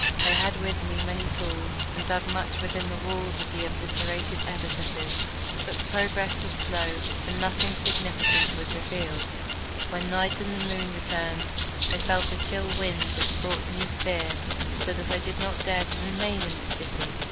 I had with me many tools, and dug much within the walls of the obliterated edifices; but progress was slow, and nothing significant was revealed. When night and the moon returned I felt a chill wind which brought new fear, so that I did not dare to remain in the city.